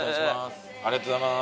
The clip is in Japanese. ありがとうございます。